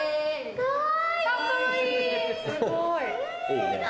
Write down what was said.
かわいい！